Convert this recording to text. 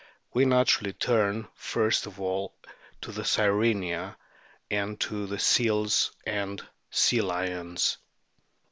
We naturally turn first of all to the Sirenia and to the Seals and Sea lions.